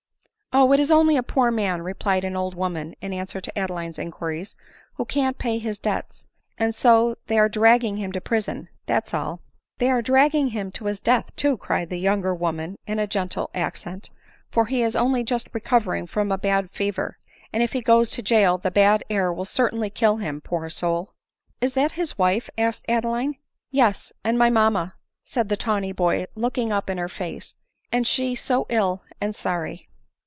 " Oh ! it is only a poor man," replied an old woman . i 164 ADELINE MOWBRAY. in answer to Adeline's inquiries, "who can't pay his debts— and so they are dragging him to prison — *that 's all." " They are dragging him to his death too," cried a younger woman in a gende accent ;" for he is only just recovering from a bad fever ; and if he goes to jail the bad air will certainly kill him, poor soul !"" Is that his wife ?" said Adeline. " Yes, and my mamma," said the tawny boy, looking up in her face, and she so ill and sorry."